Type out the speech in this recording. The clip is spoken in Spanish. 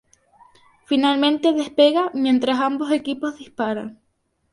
Finalmente despega mientras ambos equipos disparan.